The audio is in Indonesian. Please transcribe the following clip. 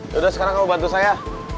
ya udah sekarang kamu bantu saya